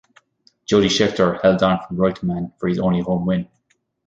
Jody Scheckter held on from Reutemann for his only home win.